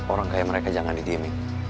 orang kayak mereka jangan didiemin